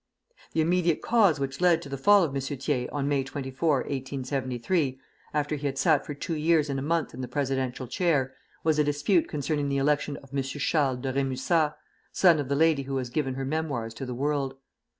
The immediate cause which led to the fall of M. Thiers on May 24, 1873, after he had sat for two years and a month in the presidential chair, was a dispute concerning the election of M. Charles de Rémusat (son of the lady who has given her memoirs to the world).